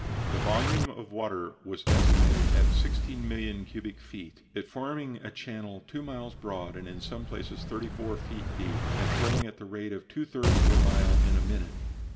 The volume of water was estimated at 16,000,000 cubic feet, it forming a channel two miles broad and in some places thirty four feet deep, and flowing at the rate of two thirds of a mile in a minute.